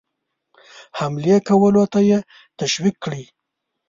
حملې کولو ته یې تشویق کړي.